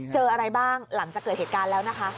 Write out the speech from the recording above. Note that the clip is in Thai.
เจออะไรบ้างหลังจากเกิดเหตุการณ์แล้วนะคะ